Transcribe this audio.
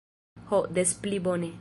Ho, des pli bone.